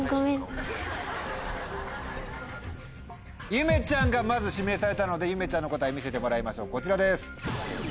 ゆめちゃんがまず指名されたのでゆめちゃんの答え見せてもらいましょうこちらです。